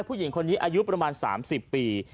ผู้หญิงคนนี้อายุประมาณ๓๐ปี